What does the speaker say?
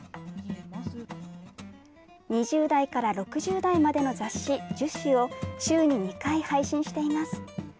２０代から６０代までの雑誌１０誌を週に２回配信しています。